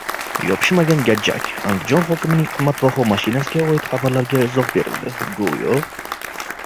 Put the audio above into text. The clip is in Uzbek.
«Yopishmagan gajjak». Andijon hokimining «qimmatbaho mashinasi»ga oid xabarlarga izoh berildi go‘yo...